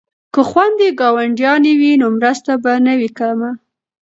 که خویندې ګاونډیانې وي نو مرسته به نه وي کمه.